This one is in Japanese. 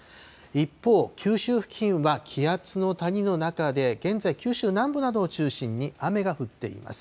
一方、九州付近は気圧の谷の中で、現在、九州南部などを中心に雨が降っています。